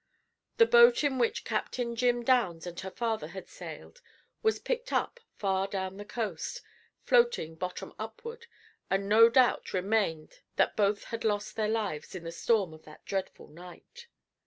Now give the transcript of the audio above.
The boat in which Captain Jim Downs and her father had sailed was picked up far down the coast, floating bottom upward, and no doubt remained that both had lost their lives in the storm of that dreadful night.